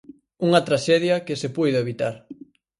Unha traxedia que se puido evitar.